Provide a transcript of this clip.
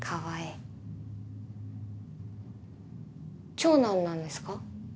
長男なんですか？